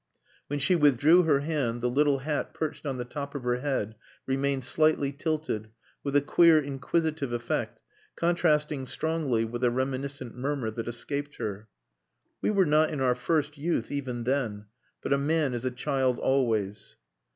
When she withdrew her hand the little hat perched on the top of her head remained slightly tilted, with a queer inquisitive effect, contrasting strongly with the reminiscent murmur that escaped her. "We were not in our first youth even then. But a man is a child always."